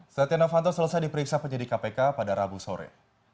setia novanto selesai diperiksa penyidik kpk pada rabu sore